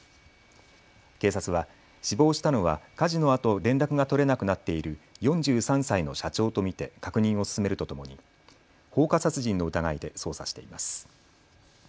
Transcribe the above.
警察は死亡したのは火事のあと連絡が取れなくなっている４３歳の社長と見て確認を進めるとともに放火殺人の疑いで捜査しています。